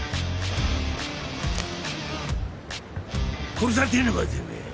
殺されてえのかてめえ！